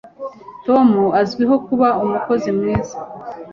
Tom azwiho kuba umukozi mwiza.